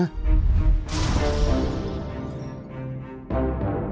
สวัสดีครับ